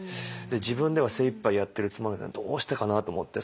自分では精いっぱいやってるつもりなのにどうしてかなと思って。